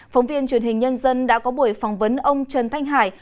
phóng viên truyền hình nhân dân đã có buổi phỏng vấn ông trần thanh hải